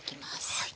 はい。